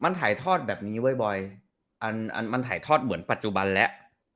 มันถ่ายทอดแบบนี้บ่อยมันถ่ายทอดเหมือนปัจจุบันแล้ว